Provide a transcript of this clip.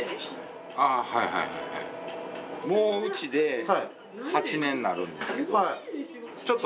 もううちで８年になるんですけど。